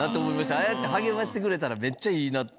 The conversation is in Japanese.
ああやって励ましてくれたらめっちゃいいなって。